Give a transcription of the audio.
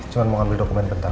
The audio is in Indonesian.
cuman mau ambil dokumen bentar